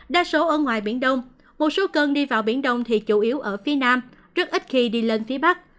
đa số ở ngoài biển đông một số cơn đi vào biển đông thì chủ yếu ở phía nam rất ít khi đi lên phía bắc